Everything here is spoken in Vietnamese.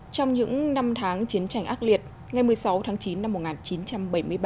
trong những năm tháng chiến tranh ác liệt ngày một mươi sáu tháng chín năm một nghìn chín trăm bảy mươi ba